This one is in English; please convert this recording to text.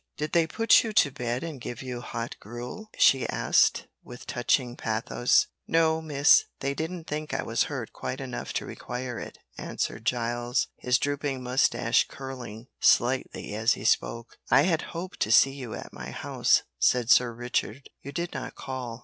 "Did they put you to bed and give you hot gruel?" she asked, with touching pathos. "No, miss, they didn't think I was hurt quite enough to require it," answered Giles, his drooping moustache curling slightly as he spoke. "I had hoped to see you at my house," said Sir Richard, "you did not call."